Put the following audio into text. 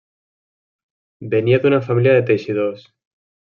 Venia d'una família de teixidors.